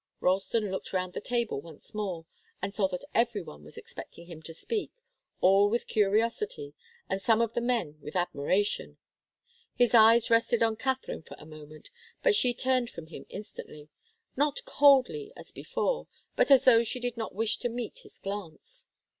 Ralston looked round the table once more, and saw that every one was expecting him to speak, all with curiosity, and some of the men with admiration. His eyes rested on Katharine for a moment, but she turned from him instantly not coldly, as before, but as though she did not wish to meet his glance.